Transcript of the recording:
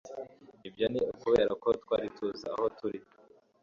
Ibyo ni ukubera ko twari tuzi aho turi